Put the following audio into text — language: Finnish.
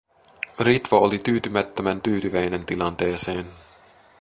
Ritva oli tyytymättömän tyytyväinen tilanteeseen.